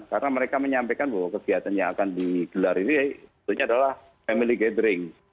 karena mereka menyampaikan bahwa kegiatan yang akan digelar ini sebetulnya adalah family gathering